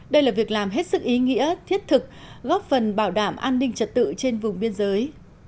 đây là việc làm hết sức ý nghĩa thiết thực góp phần bảo đảm an ninh trật tự trên vùng biên giới